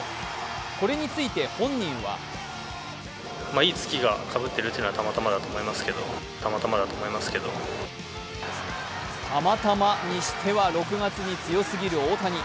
これについて本人はたまたまにしては６月に強すぎる大谷。